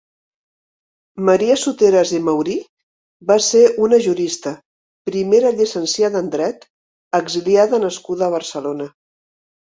Maria Soteras i Maurí va ser una jurista, primera llicenciada en Dret, exiliada nascuda a Barcelona.